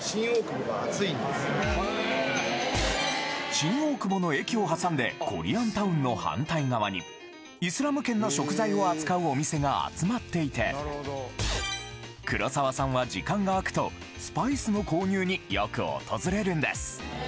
新大久保の駅を挟んでコリアンタウンの反対側にイスラム圏の食材を扱うお店が集まっていて黒沢さんは時間が空くとスパイスの購入によく訪れるんです